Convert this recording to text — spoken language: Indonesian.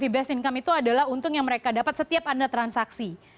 di best income itu adalah untung yang mereka dapat setiap anda transaksi